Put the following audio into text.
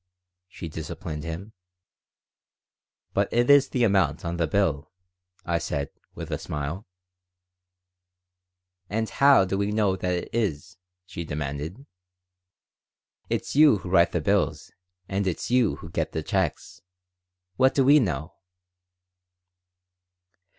she disciplined him "But it is the amount on the bill," I said, with a smile "And how do we know that it is?" she demanded. "It's you who write the bills, and it's you who get the checks. What do we know?"